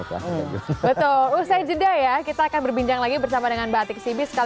betul usai jeda ya kita akan berbincang lagi bersama dengan mbak atik sibi sekaligus selamat malam